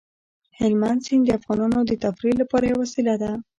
هلمند سیند د افغانانو د تفریح لپاره یوه وسیله ده.